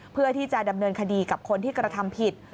เพื่อที่จะดำเนินคดีกับคนที่กระทำผิด